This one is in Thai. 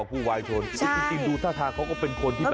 พี่คือดูท่าท่าเธอก็เป็นคนท่าเบิร์ง